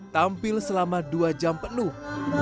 tampil selama dua jam penuh